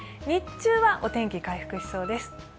日中はお天気、回復しそうです。